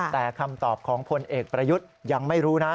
แต่คำตอบของพลเอกประยุทธ์ยังไม่รู้นะ